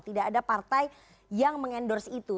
tidak ada partai yang mengendorse itu